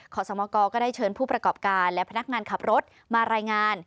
สมกรก็ได้เชิญผู้ประกอบการและพนักงานขับรถมารายงาน